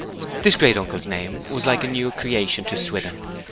This great uncle's name was like a new creation to Swithin.